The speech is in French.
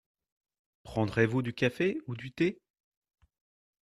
Prendrez-vous du café ou du thé ?